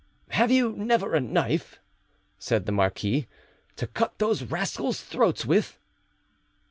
"Have you never a knife," said the marquis, "to cut those rascals' throats with?"